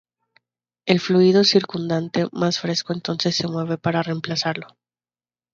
El fluido circundante más fresco entonces se mueve para reemplazarlo.